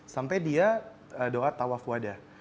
sampai dia doa tawaf wadah